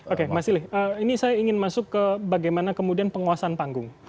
oke mas silih ini saya ingin masuk ke bagaimana kemudian penguasaan panggung